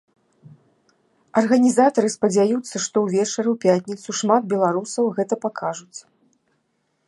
Арганізатары спадзяюцца, што ўвечары ў пятніцу шмат беларусаў гэта пакажуць.